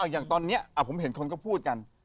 อย่างตอนนี้ผมเห็นคนก็พูดกัน